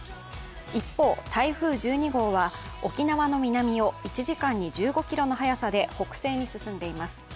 一方、台風１２号は沖縄の南を１時間に１５キロの速さで北西に進んでいます。